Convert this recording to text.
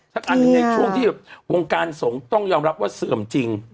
อันหนึ่งในช่วงที่วงการสงฆ์ต้องยอมรับว่าเสื่อมจริง